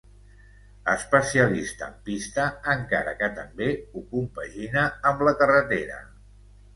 Especialista en pista encara que també ho compagina amb la carretera.